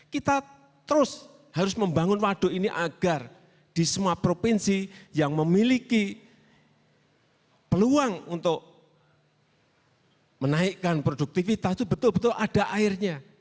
kita terus harus membangun waduk ini agar di semua provinsi yang memiliki peluang untuk menaikkan produktivitas itu betul betul ada airnya